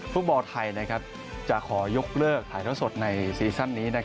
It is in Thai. ฟุตบอลไทยจะขอยกเลิกถ่ายท่อสดในซีซั่นนี้